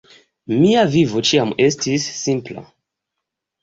Mia vivo ĉiam estis simpla.